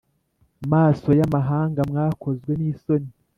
maso y’amahanga mwakozwe nisoni